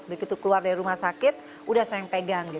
begitu keluar dari rumah sakit udah saya yang pegang